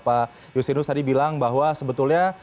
pak justinus tadi bilang bahwa sebetulnya